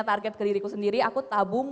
target ke diriku sendiri aku tabung